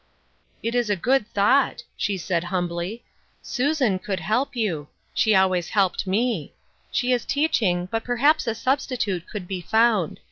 " It is a good thought," she said humbly. " Susan could help you ; she always helped me. She is teaching, but perhaps a substitute could be found.